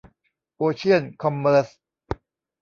โอเชี่ยน คอมเมิรช